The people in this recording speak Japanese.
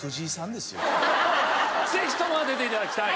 ぜひとも当てて頂きたい。